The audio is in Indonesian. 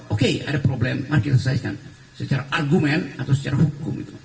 oke ada problem mari kita selesaikan secara argumen atau secara hukum